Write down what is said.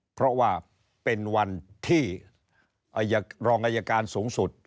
เพราะว่าเป็นวันที่รองอายการสูงสุด